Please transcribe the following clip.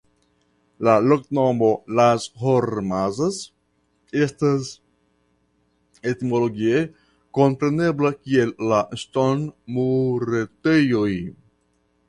La loknomo "Las Hormazas" estas etimologie komprenebla kiel "La Ŝtonmuretejoj".